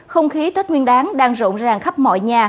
không khí tết nguyên đáng đang rộn ràng khắp mọi nhà